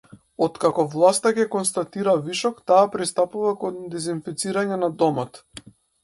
Откако власта ќе констатира вишок, таа пристапува кон дезинфицирање на домот.